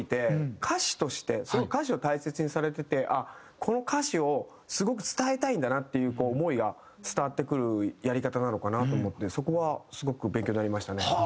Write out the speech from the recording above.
歌詞としてすごい歌詞を大切にされててこの歌詞をすごく伝えたいんだなっていう思いが伝わってくるやり方なのかなと思ってそこはすごく勉強になりましたね。